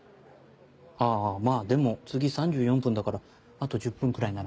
あまぁでも次３４分だからあと１０分くらいなら。